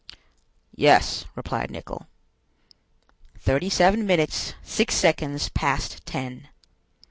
"Yes," replied Nicholl. "Thirty seven minutes six seconds past ten."